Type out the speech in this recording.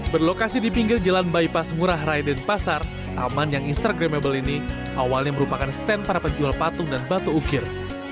berlokasi di pinggir jalan bypass ngurah rai denpasar taman yang instagramable ini awalnya merupakan stand para penjual patung dan batu ukir